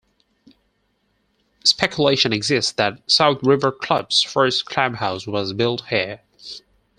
Speculation exists that the South River Club's first clubhouse was built here.